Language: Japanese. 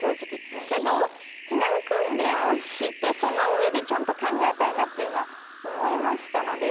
けど避難訓練をしてその上でちゃんと考えたいなっていうのは思いましたので。